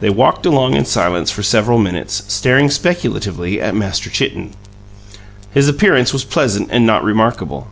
They walked along in silence for several minutes, staring speculatively at Master Chitten. His appearance was pleasant and not remarkable.